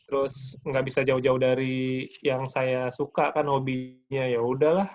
terus gak bisa jauh jauh dari yang saya suka kan hobinya yaudahlah